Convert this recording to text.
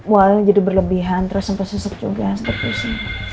wal jadi berlebihan terus sampai sesek juga sampai pusing